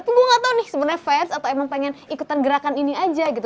aku gue gak tau nih sebenernya fans atau emang pengen ikutan gerakan ini aja gitu